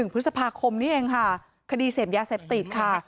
พฤษภาคมนี้เองค่ะคดีเสพยาเสพติดค่ะ